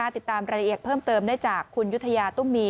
ติดตามรายละเอียดเพิ่มเติมได้จากคุณยุธยาตุ้มมี